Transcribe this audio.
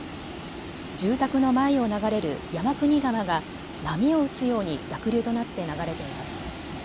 住宅の前を流れる山国川が波を打つように濁流となって流れています。